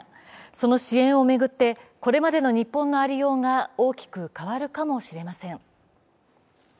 その支援を巡ってこれまでの日本のありようが大きく変わるかもしれません。